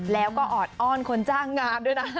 แล้วก็ออดอ้อนคนจ้างงานด้วยนะ